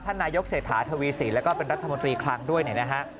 ท่านนายกเศรษฐาธวีศีและก็เป็นรัฐมนตรีครั้งด้วยนะฮะ